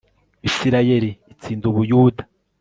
Isirayeli itsinda u Buyuda